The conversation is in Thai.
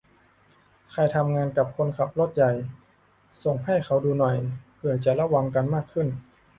ใครทำงานกับคนขับรถใหญ่ ส่งให้เขาดูหน่อย เผื่อจะระวังกันมากขึ้น